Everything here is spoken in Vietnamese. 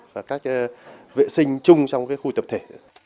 và cách vệ sinh chung trong cái khu tập thể